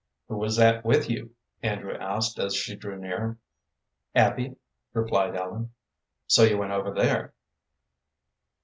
"Who was that with you?" Andrew asked, as she drew near. "Abby," replied Ellen. "So you went over there?"